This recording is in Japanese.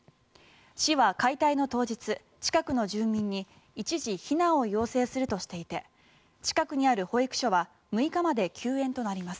市は解体の当日近くの住民に一時避難を要請するとしていて近くにある保育所は６日まで休園となります。